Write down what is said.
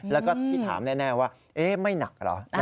แล้วก็ที่ถามแน่ว่าไม่หนักเหรอ